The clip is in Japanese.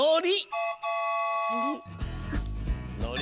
「のり」？